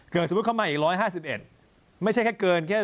เกิดสมมุติเข้ามาอีก๑๕๑